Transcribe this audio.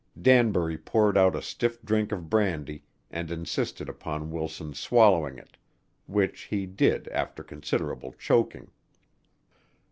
Danbury poured out a stiff drink of brandy and insisted upon Wilson's swallowing it, which he did after considerable choking.